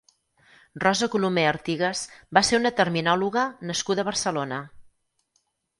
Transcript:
Rosa Colomer Artigas va ser una terminòloga nascuda a Barcelona.